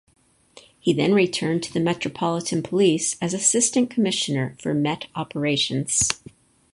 He then returned to the Metropolitan Police as Assistant Commissioner for Met Operations.